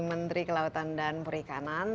menteri kelautan dan perikanan